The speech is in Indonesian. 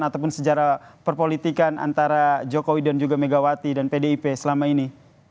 ataupun sejarah perpolitikan antara jokowi dan juga megawati dan pdip selama ini